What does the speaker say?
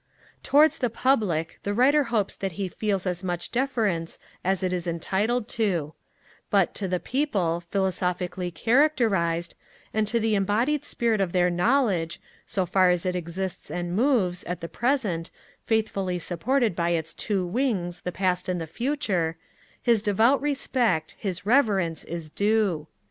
Towards the Public, the Writer hopes that he feels as much deference as it is entitled to: but to the People, philosophically characterized, and to the embodied spirit of their knowledge, so far as it exists and moves, at the present, faithfully supported by its two wings, the past and the future, his devout respect, his reverence, is due.